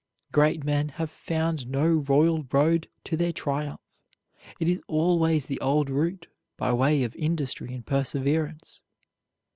Great men have found no royal road to their triumph. It is always the old route, by way of industry and perseverance.